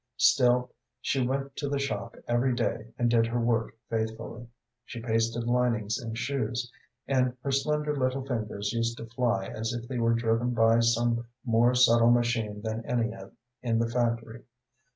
Still, she went to the shop every day and did her work faithfully. She pasted linings in shoes, and her slender little fingers used to fly as if they were driven by some more subtle machine than any in the factory.